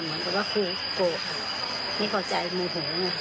เหมือนกับว่าครูโกรธไม่เข้าใจมุโหนะ